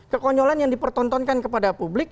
kekonyolan yang dipertontonkan kepada publik